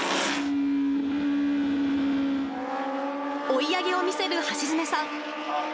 追い上げを見せる橋爪さん。